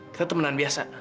kita temenan biasa